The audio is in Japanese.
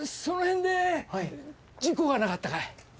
「その辺で事故がなかったかい？」